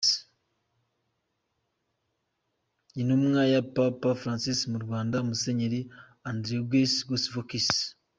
Intumwa ya Papa Francis mu Rwanda, Musenyeri Andrzej Jozwowicz